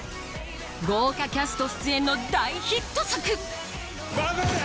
豪華キャスト出演の大ヒット作ファブル。